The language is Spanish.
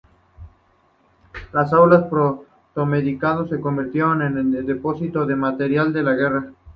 Las aulas del protomedicato se convirtieron en depósito de material para la guerra.